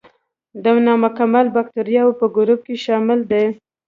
د نامکمل باکتریاوو په ګروپ کې شامل دي.